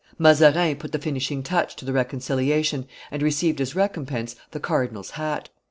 Mazarin put the finishing touch to the reconciliation, and received as recompense the cardinal's hat.